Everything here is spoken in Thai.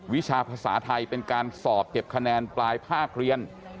วิชาภาษาไทยเป็นการสอบเก็บคะแนนปลายภาคเรียน